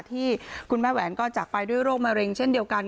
ที่คุณแม่แหวนก็จากไปด้วยโรคมะเร็งเช่นเดียวกัน